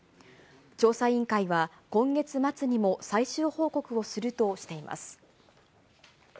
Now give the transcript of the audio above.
調査委員会は、今月末にも最終報告をするとしています。